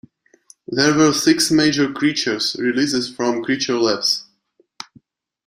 There were six major "Creatures" releases from Creature Labs.